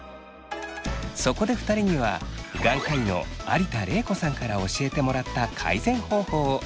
そこで２人には眼科医の有田玲子さんから教えてもらった改善方法を試してもらいました。